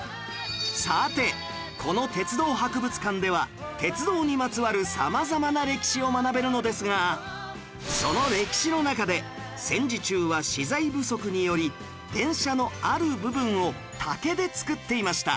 さてこの鉄道博物館では鉄道にまつわる様々な歴史を学べるのですがその歴史の中で戦時中は資材不足により電車のある部分を竹で作っていました